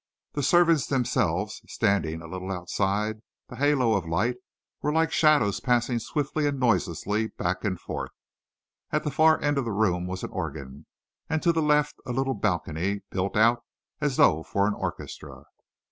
The servants themselves, standing a little outside the halo of light, were like shadows passing swiftly and noiselessly back and forth. At the far end of the room was an organ, and to the left a little balcony, built out as though for an orchestra.